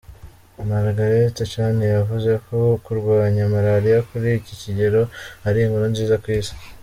Margaret Chan, yavuze ko kurwanya Malaria kuri iki kigero ari inkuru nziza ku Isi.